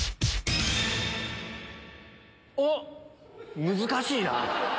おっ難しいなぁ。